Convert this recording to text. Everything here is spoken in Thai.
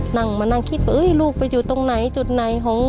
ได้แบบต้นเกียรติแล้วแหละ